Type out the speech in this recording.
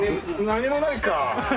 何もないか。